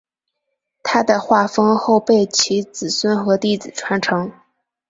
他的画风后被其子孙和弟子传承。